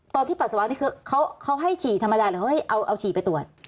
ปัสสาวะนี่คือเขาให้ฉี่ธรรมดาหรือเขาให้เอาฉี่ไปตรวจ